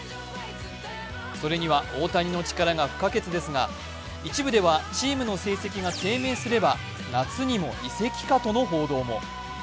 それには大谷の力が不可欠ですが一部ではチームの成績が低迷すれば夏にも移籍か、との報道も。